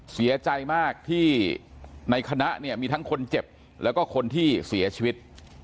เสียใจมากที่ในคณะเนี่ยมีทั้งคนเจ็บแล้วก็คนที่เสียชีวิต